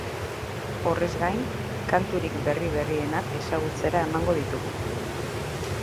Horrez gain, kanturik berri berrienak ezagutzera emango ditugu.